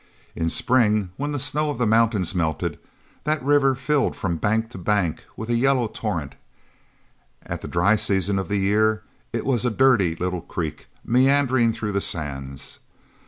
In spring, when the snow of the mountains melted, that river filled from bank to bank with a yellow torrent; at the dry season of the year it was a dirty little creek meandering through the sands.